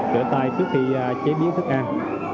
rửa tay trước khi chế biến thức ăn